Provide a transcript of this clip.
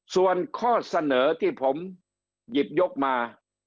ส่วนข้อเสนอที่ผมหยิบยกมา